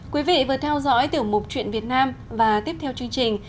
quý vị vừa theo dõi tiểu mục chuyện việt nam và tiếp theo chương trình